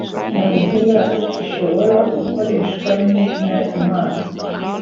nta zina rishobora gukoreshwa nk’izina imana